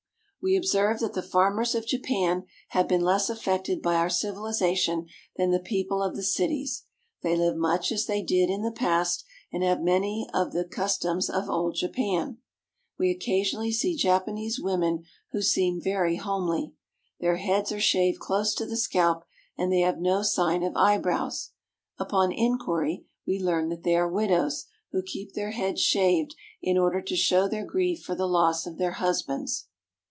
We observe that the farmers of Japan have been less affected by our civilization than the people of the cities. They live much as they did in the past, and have many of the customs of old Japan. We occasionally see Japanese women who seem very homely. Their heads are shaved close to the scalp, and they have no sign of eyebrows. Upon inquiry we learn that they are widows, who keep their heads shaved in order to show their grief for the loss of their husbands.